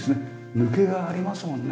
抜けがありますもんね